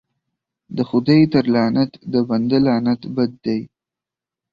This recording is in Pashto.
د خداى تر لعنت د بنده لعنت بد دى.